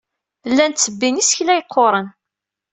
Llan ttebbin isekla yeqquren.